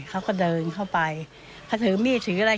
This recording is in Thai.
เขาก็เดินเข้าไปเขาถือมีดถืออะไร